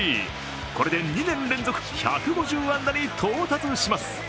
これで２年連続１５０安打に到達します。